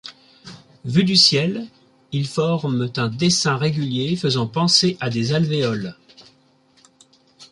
Vus du ciel, ils forment un dessin régulier faisant penser à des alvéoles.